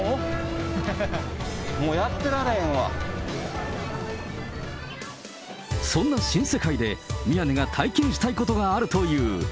うわ、そんな新世界で、宮根が体験したいことがあるという。